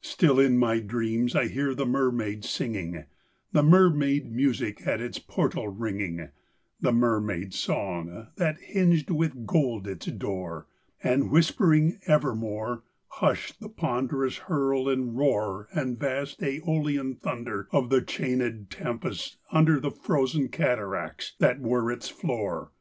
V Still in my dreams I hear the mermaid singing; The mermaid music at its portal ringing; The mermaid song, that hinged with gold its door, And, whispering evermore, Hushed the ponderous hurl and roar And vast æolian thunder Of the chained tempests under The frozen cataracts that were its floor.